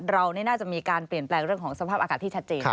เรานี่น่าจะมีการเปลี่ยนแปลงเรื่องของสภาพอากาศที่ชัดเจน